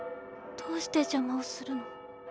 どうして邪魔をするの？